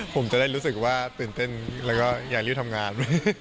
ผมจะได้รู้สึกว่าตื่นเต้นแล้วก็อย่ารีบทำงานด้วย